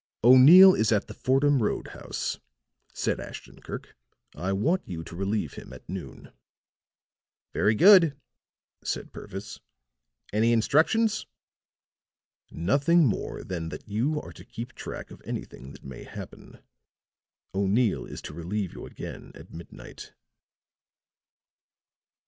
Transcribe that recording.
"O'Neill is at the Fordham Road house," said Ashton Kirk. "I want you to relieve him at noon." "Very good," said Purvis. "Any instructions?" "Nothing more than that you are to keep track of anything that may happen. O'Neill is to relieve you again at midnight."